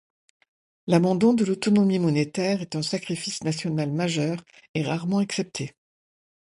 L'abandon de l'autonomie monétaire est un sacrifice national majeur et rarement accepté.